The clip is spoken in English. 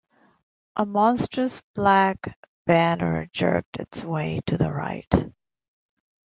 A monstrous black banner jerked its way to the right.